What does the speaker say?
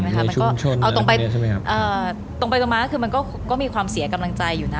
มันก็เอาตรงไปตรงไปตรงมาก็คือมันก็มีความเสียกำลังใจอยู่นะ